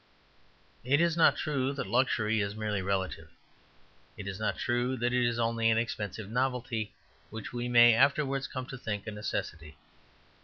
It is not true that luxury is merely relative. It is not true that it is only an expensive novelty which we may afterwards come to think a necessity.